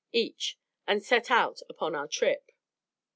each, and set out upon our trip.